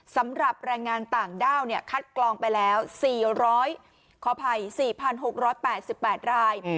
สำหรับแรงงานต่างด้าวคัดกรองไปแล้ว๔๐๐ขออภัย๔๖๘๘ราย